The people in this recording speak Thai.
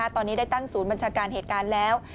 ตอนนี้ได้ตั้งศูนย์บัญชาการเหตุการณ์แล้ว